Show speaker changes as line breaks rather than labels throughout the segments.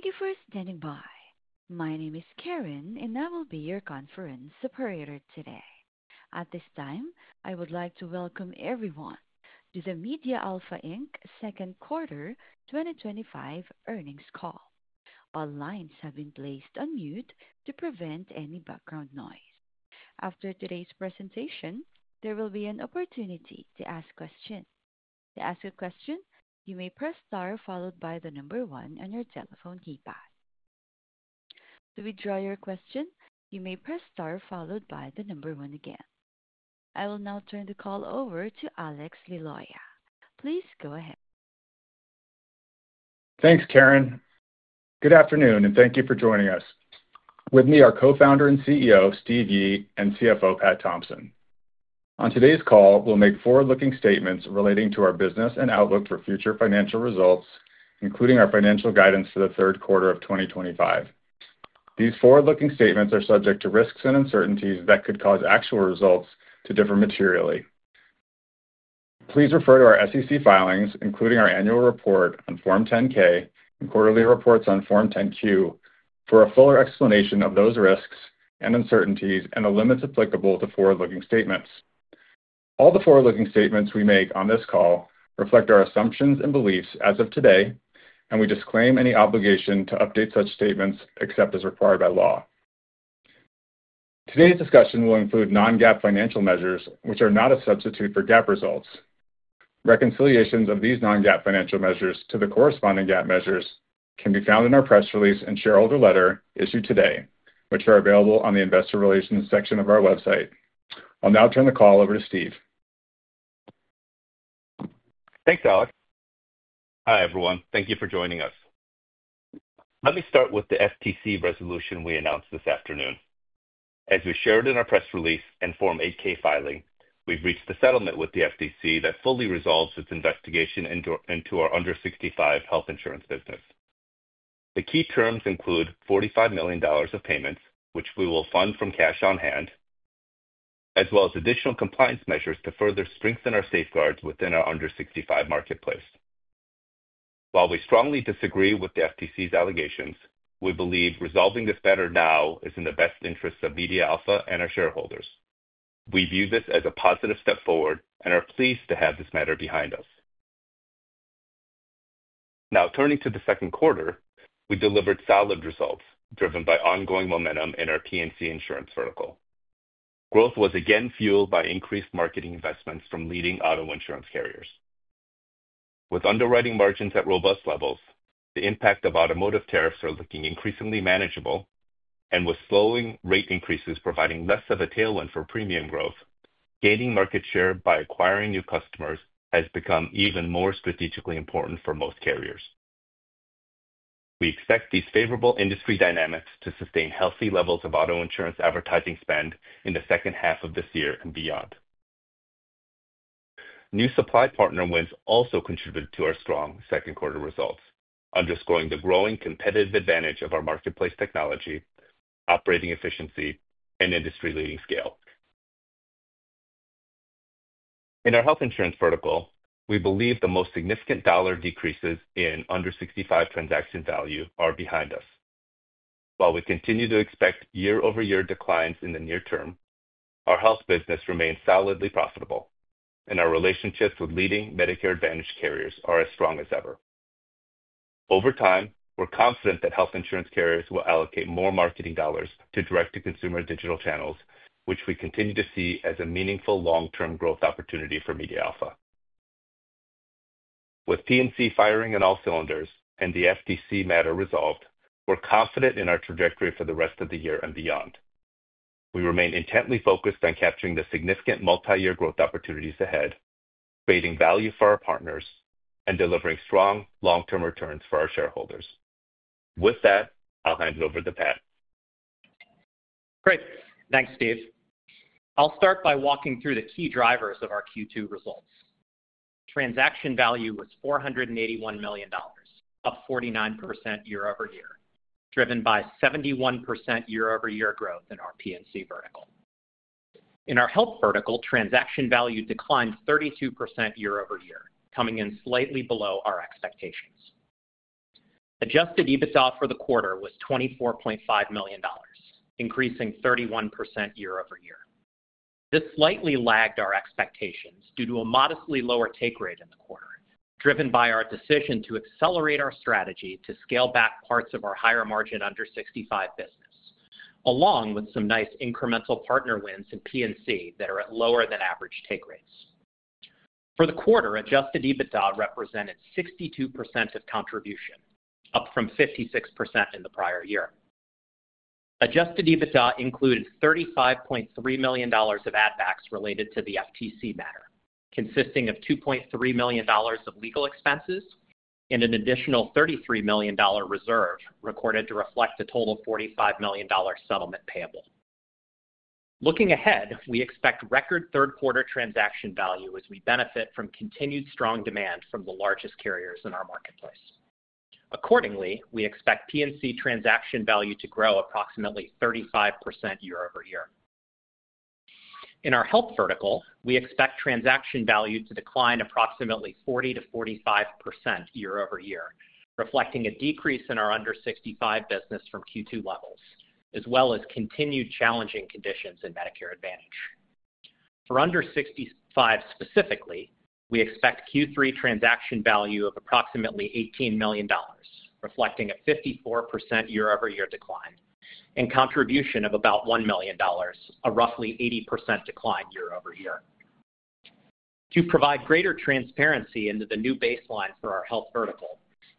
Thank you for standing by. My name is Karen, and I will be your conference operator today. At this time, I would like to welcome everyone to the MediaAlpha Inc Second Quarter 2025 Earnings Call. All lines have been placed on mute to prevent any background noise. After today's presentation, there will be an opportunity to ask questions. To ask a question, you may press star followed by the number one on your telephone keypad. To withdraw your question, you may press star followed by the number one again. I will now turn the call over to Alex Liloia. Please go ahead.
Thanks, Karen. Good afternoon, and thank you for joining us. With me are Co-Founder and CEO, Steve Yi, and CFO, Pat Thompson. On today's call, we'll make forward-looking statements relating to our business and outlook for future financial results, including our financial guidance for the third quarter of 2025. These forward-looking statements are subject to risks and uncertainties that could cause actual results to differ materially. Please refer to our SEC filings, including our annual report on Form 10-K and quarterly reports on Form 10-Q, for a fuller explanation of those risks and uncertainties and the limits applicable to forward-looking statements. All the forward-looking statements we make on this call reflect our assumptions and beliefs as of today, and we disclaim any obligation to update such statements except as required by law. Today's discussion will include non-GAAP financial measures, which are not a substitute for GAAP results. Reconciliations of these non-GAAP financial measures to the corresponding GAAP measures can be found in our press release and shareholder letter issued today, which are available on the Investor Relations section of our website. I'll now turn the call over to Steve.
Thanks, Alex. Hi, everyone. Thank you for joining us. Let me start with the FTC resolution we announced this afternoon. As we shared in our press release and Form 8-K filing, we've reached a settlement with the FTC that fully resolves its investigation into our under-65 health insurance business. The key terms include $45 million of payments, which we will fund from cash on hand, as well as additional compliance measures to further strengthen our safeguards within our under-65 marketplace. While we strongly disagree with the FTC's allegations, we believe resolving this matter now is in the best interests of MediaAlpha and our shareholders. We view this as a positive step forward and are pleased to have this matter behind us. Now, turning to the second quarter, we delivered solid results driven by ongoing momentum in our P&C insurance vertical. Growth was again fueled by increased marketing investments from leading auto insurance carriers. With underwriting margins at robust levels, the impact of automotive tariffs is looking increasingly manageable, and with slowing rate increases providing less of a tailwind for premium growth, gaining market share by acquiring new customers has become even more strategically important for most carriers. We expect these favorable industry dynamics to sustain healthy levels of auto insurance advertising spend in the second half of this year and beyond. New supply partner wins also contribute to our strong second quarter results, underscoring the growing competitive advantage of our marketplace technology, operating efficiency, and industry-leading scale. In our health insurance vertical, we believe the most significant dollar decreases in under-65 transaction value are behind us. While we continue to expect year-over-year declines in the near term, our health business remains solidly profitable, and our relationships with leading Medicare Advantage carriers are as strong as ever. Over time, we're confident that health insurance carriers will allocate more marketing dollars to direct-to-consumer digital channels, which we continue to see as a meaningful long-term growth opportunity for MediaAlpha. With P&C firing on all cylinders and the FTC matter resolved, we're confident in our trajectory for the rest of the year and beyond. We remain intently focused on capturing the significant multi-year growth opportunities ahead, creating value for our partners, and delivering strong long-term returns for our shareholders. With that, I'll hand it over to Pat.
Great. Thanks, Steve. I'll start by walking through the key drivers of our Q2 results. Transaction value was $481 million, up 49% year-over-year, driven by 71% year-over-year growth in our P&C vertical. In our health vertical, transaction value declined 32% year-over-year, coming in slightly below our expectations. Adjusted EBITDA for the quarter was $24.5 million, increasing 31% year-over-year. This slightly lagged our expectations due to a modestly lower take rate in the quarter, driven by our decision to accelerate our strategy to scale back parts of our higher margin under-65 business, along with some nice incremental partner wins in P&C that are at lower than average take rates. For the quarter, adjusted EBITDA represented 62% of contribution, up from 56% in the prior year. Adjusted EBITDA included $35.3 million of add-backs related to the FTC matter, consisting of $2.3 million of legal expenses and an additional $33 million reserve recorded to reflect a total of $45 million settlement payable. Looking ahead, we expect record third-quarter transaction value as we benefit from continued strong demand from the largest carriers in our marketplace. Accordingly, we expect P&C transaction value to grow approximately 35% year-over-year. In our health vertical, we expect transaction value to decline approximately 40%-45% year-over-year, reflecting a decrease in our under-65 business from Q2 levels, as well as continued challenging conditions in Medicare Advantage. For under-65 specifically, we expect Q3 transaction value of approximately $18 million, reflecting a 54% year-over-year decline, and contribution of about $1 million, a roughly 80% decline year-over-year. To provide greater transparency into the new baselines for our health vertical,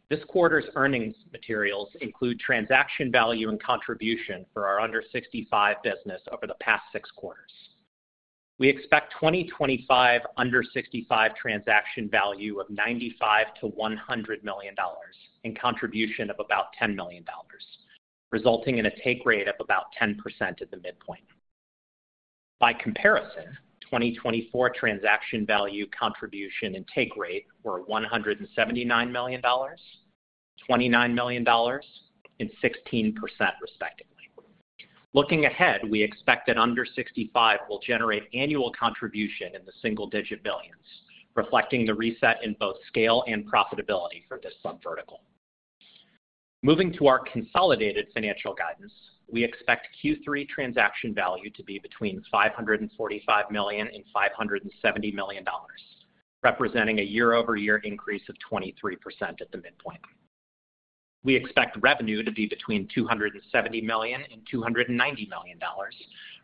this quarter's earnings materials include transaction value and contribution for our under-65 business over the past six quarters. We expect 2025 under-65 transaction value of $95 million-$100 million and contribution of about $10 million, resulting in a take rate of about 10% at the midpoint. By comparison, 2024 transaction value, contribution, and take rate were $179 million, $29 million, and 16% respectively. Looking ahead, we expect that under-65 will generate annual contribution in the single-digit millions, reflecting the reset in both scale and profitability for this sub-vertical. Moving to our consolidated financial guidance, we expect Q3 transaction value to be between $545 million and $570 million, representing a year-over-year increase of 23% at the midpoint. We expect revenue to be between $270 million and $290 million,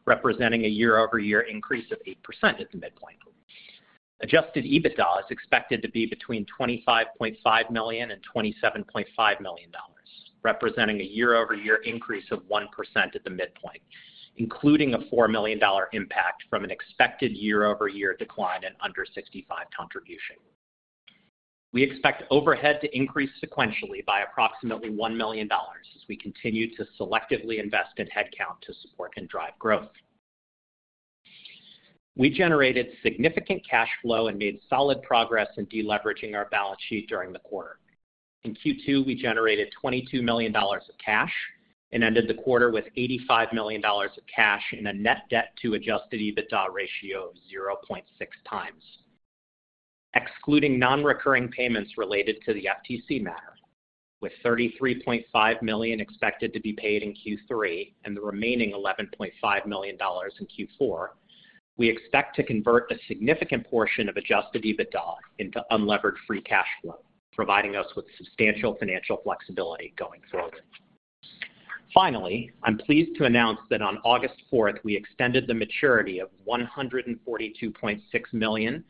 representing a year-over-year increase of 8% at the midpoint. Adjusted EBITDA is expected to be between $25.5 million and $27.5 million, representing a year-over-year increase of 1% at the midpoint, including a $4 million impact from an expected year-over-year decline in under-65 contribution. We expect overhead to increase sequentially by approximately $1 million as we continue to selectively invest in headcount to support and drive growth. We generated significant cash flow and made solid progress in deleveraging our balance sheet during the quarter. In Q2, we generated $22 million of cash and ended the quarter with $85 million of cash and a net debt-to-adjusted EBITDA ratio of 0.6x. Excluding non-recurring payments related to the Federal Trade Commission matter, with $33.5 million expected to be paid in Q3 and the remaining $11.5 million in Q4, we expect to convert a significant portion of adjusted EBITDA into unleveraged free cash flow, providing us with substantial financial flexibility going forward. Finally, I'm pleased to announce that on August 4th, we extended the maturity of $142.6 million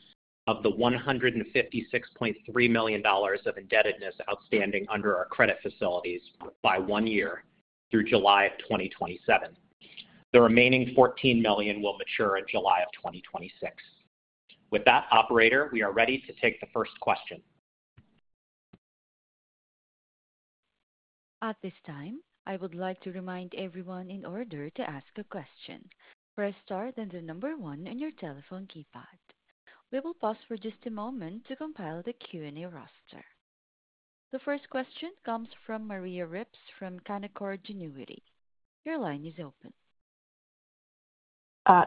of the $156.3 million of indebtedness outstanding under our credit facilities by one year through July of 2027. The remaining $14 million will mature in July of 2026. With that, operator, we are ready to take the first question.
At this time, I would like to remind everyone in order to ask a question, press star then the number one on your telephone keypad. We will pause for just a moment to compile the Q&A roster. The first question comes from Maria Ripps from Canaccord Genuity. Your line is open.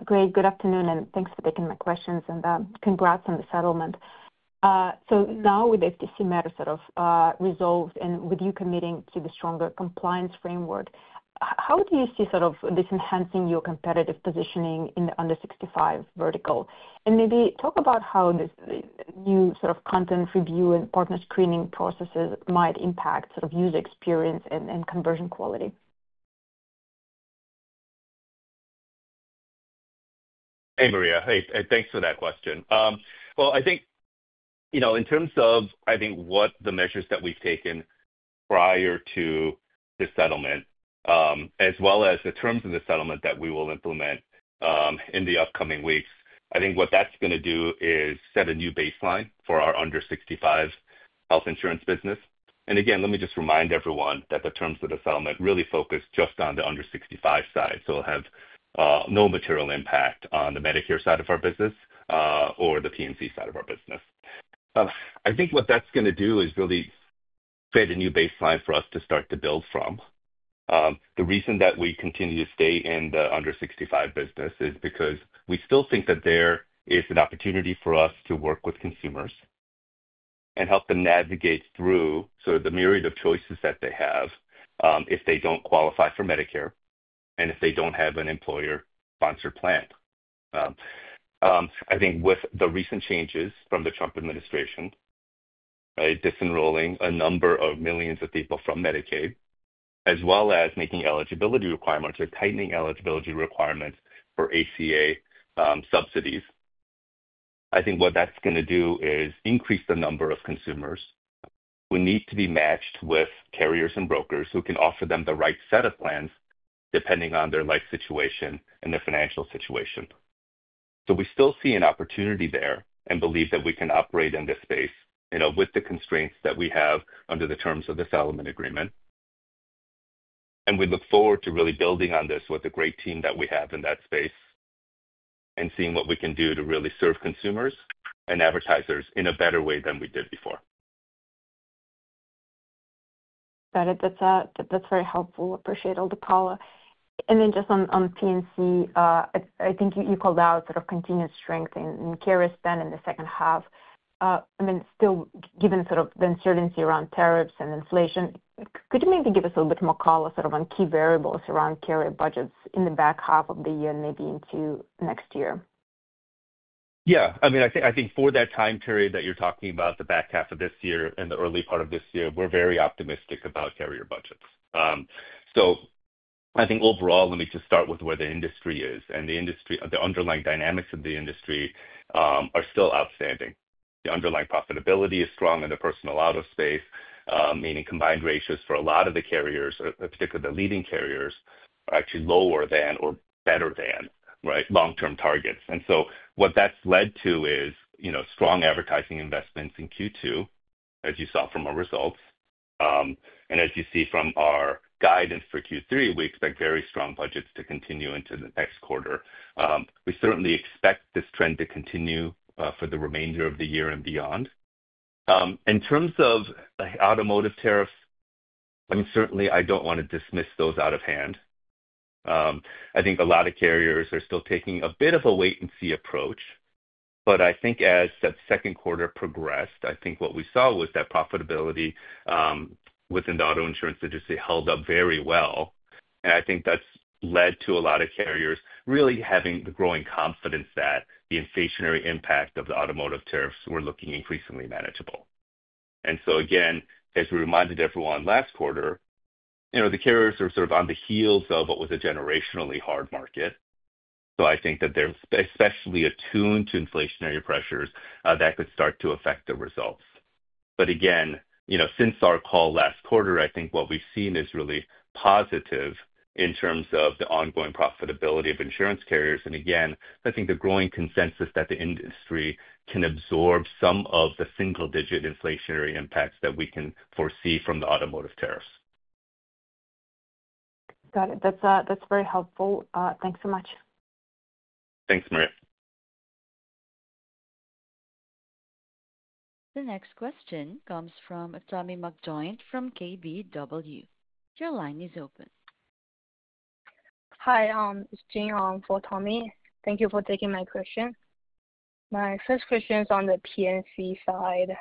Great. Good afternoon, and thanks for taking my questions and congrats on the settlement. Now with the FTC matter sort of resolved and with you committing to the stronger compliance framework, how do you see sort of this enhancing your competitive positioning in the under-65 vertical? Maybe talk about how this new sort of content review and partner screening processes might impact sort of user experience and conversion quality.
Hey, Maria. Thanks for that question. In terms of the measures that we've taken prior to this settlement, as well as the terms of the settlement that we will implement in the upcoming weeks, I think what that's going to do is set a new baseline for our under-65 health insurance business. Let me just remind everyone that the terms of the settlement really focus just on the under-65 side, so it'll have no material impact on the Medicare side of our business or the P&C side of our business. I think what that's going to do is really set a new baseline for us to start to build from. The reason that we continue to stay in the under-65 business is because we still think that there is an opportunity for us to work with consumers and help them navigate through the myriad of choices that they have if they don't qualify for Medicare and if they don't have an employer-sponsored plan. I think with the recent changes from the Trump administration, disenrolling millions of people from Medicare, as well as tightening eligibility requirements for ACA subsidies, I think what that's going to do is increase the number of consumers who need to be matched with carriers and brokers who can offer them the right set of plans depending on their life situation and their financial situation. We still see an opportunity there and believe that we can operate in this space with the constraints that we have under the terms of the settlement agreement. We look forward to really building on this with the great team that we have in that space and seeing what we can do to really serve consumers and advertisers in a better way than we did before.
Got it. That's very helpful. Appreciate all the call. Just on P&C, I think you called out sort of continued strength in carrier spend in the second half. Given sort of the uncertainty around tariffs and inflation, could you maybe give us a little bit more call on sort of key variables around carrier budgets in the back half of the year and maybe into next year?
Yeah. I mean, I think for that time period that you're talking about, the back half of this year and the early part of this year, we're very optimistic about carrier budgets. I think overall, let me just start with where the industry is, and the industry, the underlying dynamics of the industry are still outstanding. The underlying profitability is strong in the personal auto space, meaning combined ratios for a lot of the carriers, particularly the leading carriers, are actually lower than or better than long-term targets. That's led to strong advertising investments in Q2, as you saw from our results. As you see from our guidance for Q3, we expect very strong budgets to continue into the next quarter. We certainly expect this trend to continue for the remainder of the year and beyond. In terms of automotive tariffs, I don't want to dismiss those out of hand. I think a lot of carriers are still taking a bit of a wait-and-see approach. As that second quarter progressed, what we saw was that profitability within the auto insurance industry held up very well. I think that's led to a lot of carriers really having the growing confidence that the inflationary impact of the automotive tariffs were looking increasingly manageable. Again, as we reminded everyone last quarter, the carriers are sort of on the heels of what was a generationally hard market. I think that they're especially attuned to inflationary pressures that could start to affect the results. Again, since our call last quarter, what we've seen is really positive in terms of the ongoing profitability of insurance carriers. I think the growing consensus is that the industry can absorb some of the single-digit inflationary impacts that we can foresee from the automotive tariffs.
Got it. That's very helpful. Thanks so much.
Thanks, Maria.
The next question comes from Tommy McJoynt from KBW. Your line is open.
Hi. It's Jing Li for Tommy. Thank you for taking my question. My first question is on the P&C side.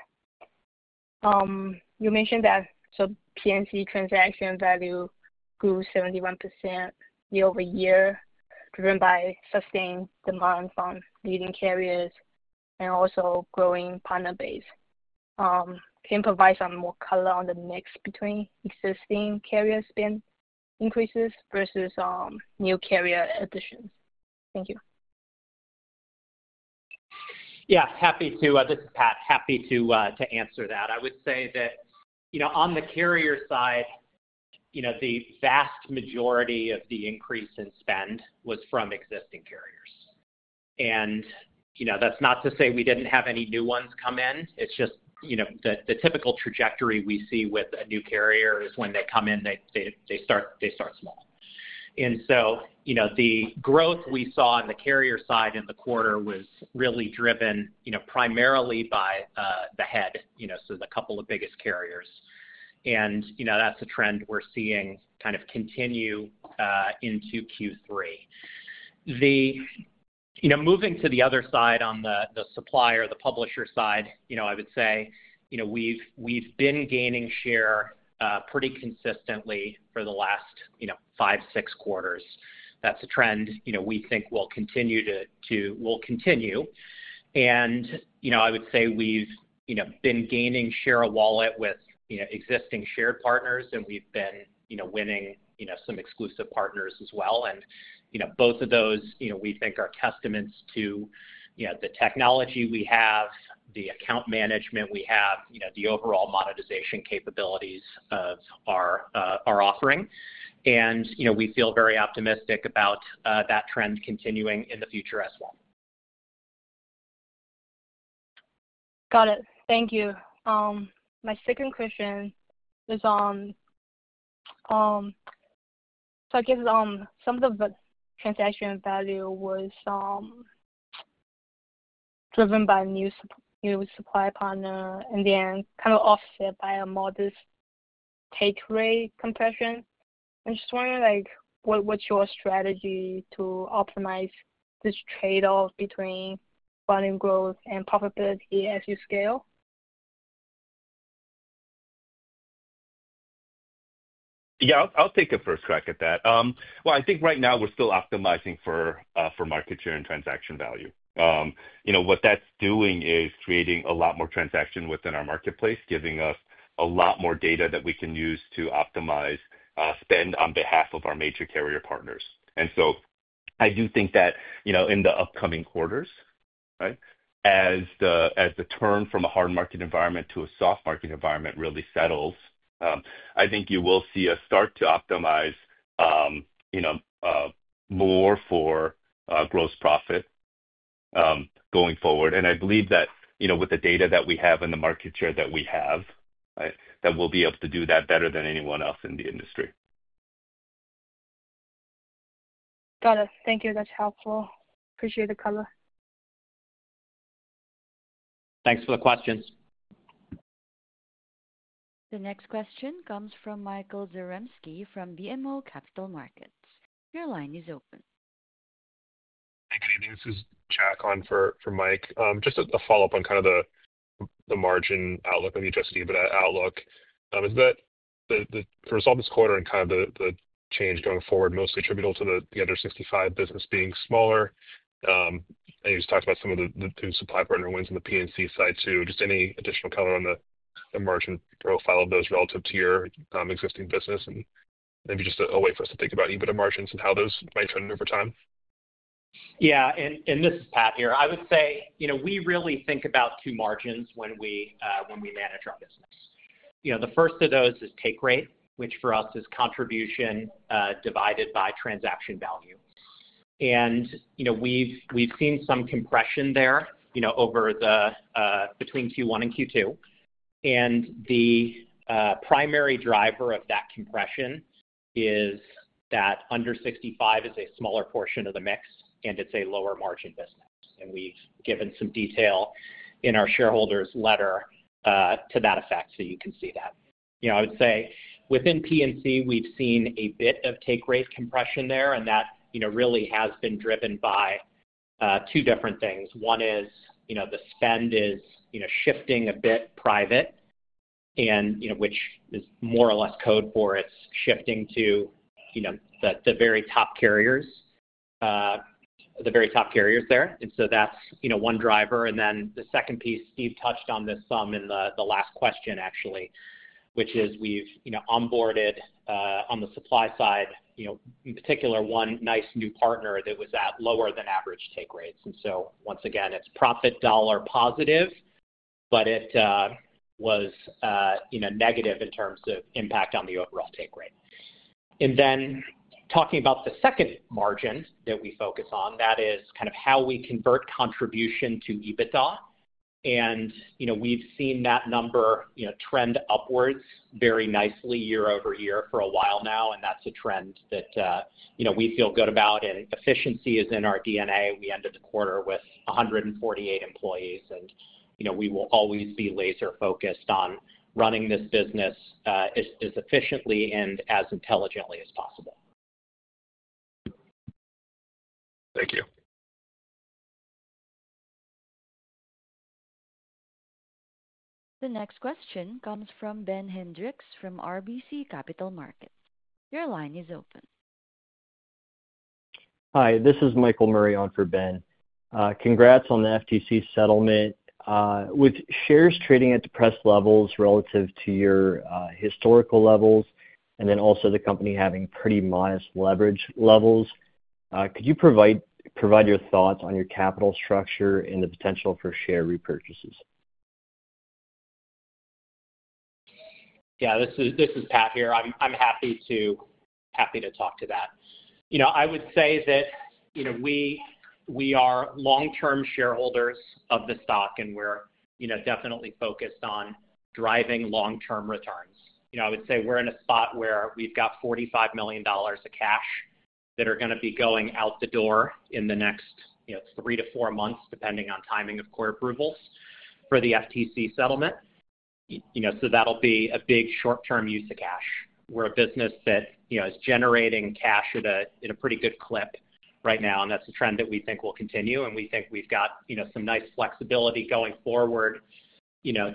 You mentioned that the P&C transaction value grew 71% year-over-year, driven by sustained demand from leading carriers and also growing partner base. Can you provide some more color on the mix between existing carrier spend increases versus new carrier additions? Thank you.
Yeah, happy to. This is Pat. Happy to answer that. I would say that, you know, on the carrier side, the vast majority of the increase in spend was from existing carriers. That's not to say we didn't have any new ones come in. It's just, you know, the typical trajectory we see with a new carrier is when they come in, they start small. The growth we saw on the carrier side in the quarter was really driven primarily by the head, you know, so the couple of biggest carriers. That's a trend we're seeing kind of continue into Q3. Moving to the other side on the supplier, the publisher side, I would say we've been gaining share pretty consistently for the last five, six quarters. That's a trend we think will continue. I would say we've been gaining share of wallet with existing shared partners, and we've been winning some exclusive partners as well. Both of those, we think, are testaments to the technology we have, the account management we have, the overall monetization capabilities of our offering. We feel very optimistic about that trend continuing in the future as well.
Got it. Thank you. My second question is, I guess some of the transaction value was driven by new supply partner and then kind of offset by a modest take rate compression. I'm just wondering, what's your strategy to optimize this trade-off between buying growth and profitability as you scale?
I'll take the first crack at that. I think right now we're still optimizing for market share and transaction value. What that's doing is creating a lot more transaction within our marketplace, giving us a lot more data that we can use to optimize spend on behalf of our major carrier partners. I do think that, in the upcoming quarters, as the turn from a hard market environment to a soft market environment really settles, you will see us start to optimize more for gross profit going forward. I believe that, with the data that we have and the market share that we have, we'll be able to do that better than anyone else in the industry.
Got it. Thank you. That's helpful. Appreciate the color.
Thanks for the questions.
The next question comes from Michael Zaremski from BMO Capital Markets. Your line is open.
Thank you, Nadine. This is Jack on for Mike. Just a follow-up on the margin outlook, maybe just EBITDA outlook. Is that the result of this quarter and the change going forward mostly attributable to the under-65 health insurance business being smaller? He's talked about some of the supply partner wins on the P&C insurance side too. Any additional color on the margin profile of those relative to your existing business and maybe just a way for us to think about EBITDA margins and how those might trend over time?
Yeah. This is Pat here. I would say, you know, we really think about two margins when we manage our business. The first of those is take rate, which for us is contribution divided by transaction value. We've seen some compression there between Q1 and Q2. The primary driver of that compression is that under-65 health insurance is a smaller portion of the mix, and it's a lower margin business. We've given some detail in our shareholders' letter to that effect, so you can see that. Within P&C insurance, we've seen a bit of take rate compression there, and that really has been driven by two different things. One is the spend is shifting a bit private, which is more or less code for it's shifting to the very top carriers, the very top carriers there. That's one driver. The second piece, Steve touched on this some in the last question, actually, which is we've onboarded on the supply side, in particular, one nice new partner that was at lower than average take rates. Once again, it's profit dollar positive, but it was negative in terms of impact on the overall take rate. Talking about the second margin that we focus on, that is kind of how we convert contribution to EBITDA. We've seen that number trend upwards very nicely year over year for a while now. That's a trend that we feel good about. Efficiency is in our DNA. We ended the quarter with 148 employees, and we will always be laser-focused on running this business as efficiently and as intelligently as possible.
Thank you.
The next question comes from Ben Hendrix from RBC Capital Markets. Your line is open.
Hi. This is Michael Murray for Ben. Congrats on the FTC settlement. With shares trading at depressed levels relative to your historical levels, and then also the company having pretty modest leverage levels, could you provide your thoughts on your capital structure and the potential for share repurchases?
Yeah, this is Pat here. I'm happy to talk to that. I would say that we are long-term shareholders of the stock, and we're definitely focused on driving long-term returns. I would say we're in a spot where we've got $45 million of cash that are going to be going out the door in the next three to four months, depending on timing of court approvals for the FTC settlement. That'll be a big short-term use of cash. We're a business that is generating cash at a pretty good clip right now. That's a trend that we think will continue. We think we've got some nice flexibility going forward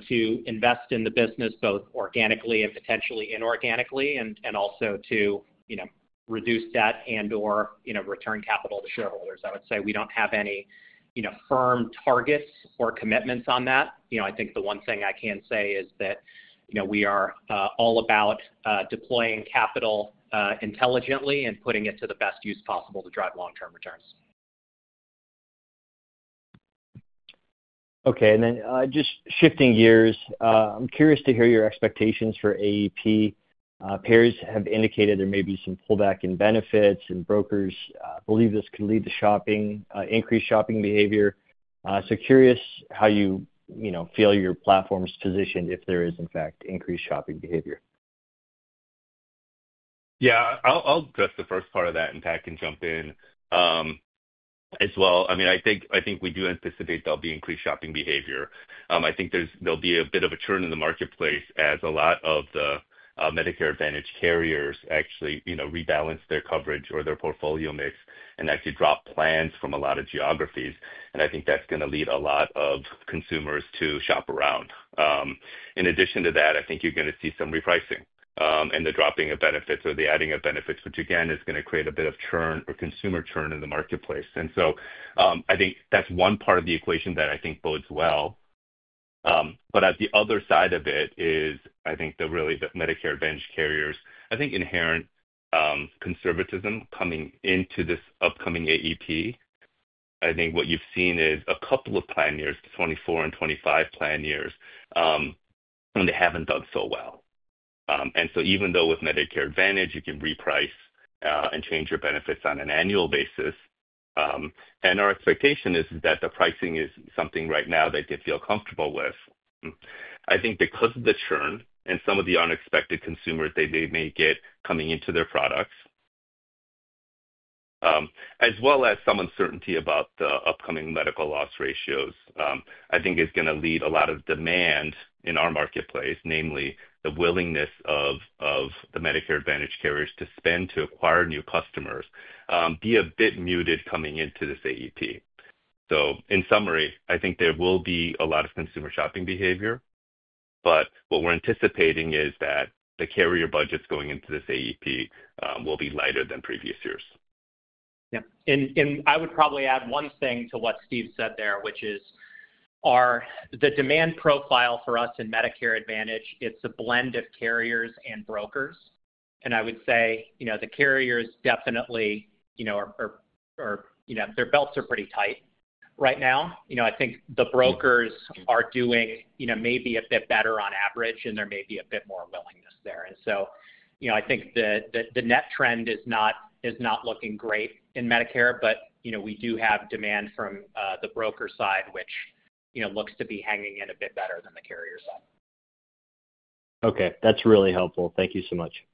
to invest in the business both organically and potentially inorganically, and also to reduce debt and/or return capital to shareholders. I would say we don't have any firm targets or commitments on that. I think the one thing I can say is that we are all about deploying capital intelligently and putting it to the best use possible to drive long-term returns.
Okay. Just shifting gears, I'm curious to hear your expectations for AEP. Pairs have indicated there may be some pullback in benefits, and brokers believe this could lead to increased shopping behavior. Curious how you feel your platform's positioned if there is, in fact, increased shopping behavior.
Yeah, I'll address the first part of that, and Pat can jump in as well. I mean, I think we do anticipate there'll be increased shopping behavior. I think there'll be a bit of a churn in the marketplace as a lot of the Medicare Advantage carriers actually rebalance their coverage or their portfolio mix and actually drop plans from a lot of geographies. I think that's going to lead a lot of consumers to shop around. In addition to that, I think you're going to see some repricing and the dropping of benefits or the adding of benefits, which again is going to create a bit of churn or consumer churn in the marketplace. I think that's one part of the equation that I think bodes well. On the other side of it is, I think, really the Medicare Advantage carriers, I think inherent conservatism coming into this upcoming AEP. I think what you've seen is a couple of plan years, 2024 and 2025 plan years, and they haven't done so well. Even though with Medicare Advantage, you can reprice and change your benefits on an annual basis, and our expectation is that the pricing is something right now that they feel comfortable with. I think because of the churn and some of the unexpected consumer that they may get coming into their products, as well as some uncertainty about the upcoming medical loss ratios, I think is going to lead a lot of demand in our marketplace, namely the willingness of the Medicare Advantage carriers to spend to acquire new customers, be a bit muted coming into this AEP. In summary, I think there will be a lot of consumer shopping behavior, but what we're anticipating is that the carrier budgets going into this AEP will be lighter than previous years.
Yeah. I would probably add one thing to what Steve said there, which is the demand profile for us in Medicare Advantage, it's a blend of carriers and brokers. I would say the carriers definitely, you know, their belts are pretty tight right now. I think the brokers are doing maybe a bit better on average, and there may be a bit more willingness there. I think the net trend is not looking great in Medicare, but we do have demand from the broker side, which looks to be hanging in a bit better than the carriers.
Okay, that's really helpful. Thank you so much.
Thanks.